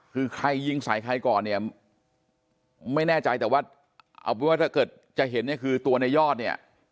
คือใครยิงใส่ใครก่อนเนี่ยไม่แน่ใจแต่ว่าเอาเป็นว่าถ้าเกิดจะเห็นเนี่ยคือตัวในยอดเนี่ย